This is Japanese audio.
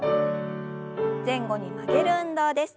前後に曲げる運動です。